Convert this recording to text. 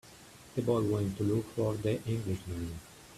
The boy went to look for the Englishman.